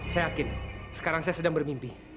saya yakin sekarang saya sedang bermimpi